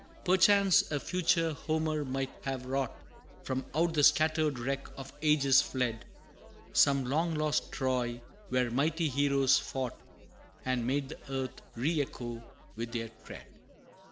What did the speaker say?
Perchance a future Homer might have wrought From out the scattered wreck of ages fled, Some long lost Troy, where mighty heroes fought, And made the earth re echo with their tread!